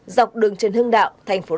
dọc đường trần hưng đạo